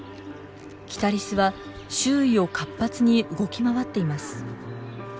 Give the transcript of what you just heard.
キタリスは周囲を活発に動き回っています。